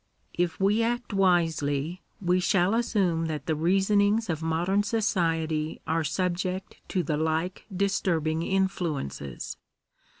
If we act wisely, we shall assume that the reasonings of modern society are subject to the like disturbing influences.